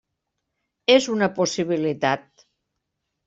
És una possibilitat.